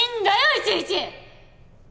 いちいち！